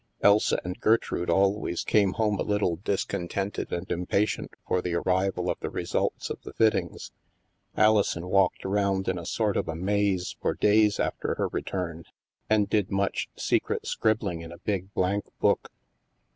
Elsa and Gertrude always came home a little discontented and impatient for the ar rival of the results of the fittings; Alison walked around in a sort of a maze for days after her return, and did much secret scribbling in a big blank book.